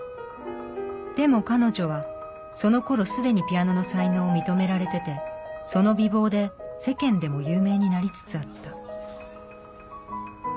でも彼女はそのころすでにピアノの才能を認められててその美ぼうで世間でも有名になりつつあった。